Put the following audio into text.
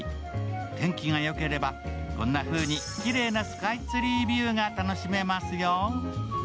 天気がよければこんなふうにきれいなスカイツリービューが楽しめますよ。